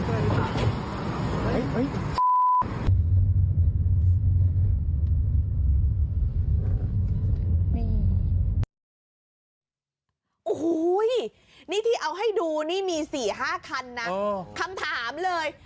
โอ้โหนี่ที่เอาให้ดูนี่มี๔๕คันนะคำถามเลย